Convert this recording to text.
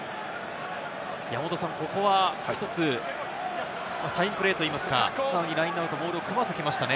ここは１つサインプレーといいますか、さらにラインアウト、ボールを組ませてきましたね。